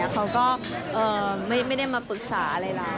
เขาก็ไม่ได้มาปรึกษาอะไรเรา